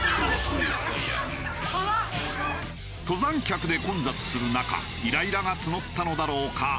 登山客で混雑する中イライラが募ったのだろうか。